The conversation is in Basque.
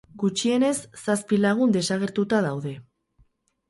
Gutxienez, zazpi lagun desagertuta daude.